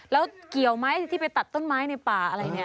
แล้วเกี่ยวไหมที่ไปตัดต้นไม้ในป่าอะไรเนี่ย